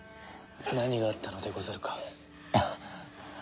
何があったのでござるか？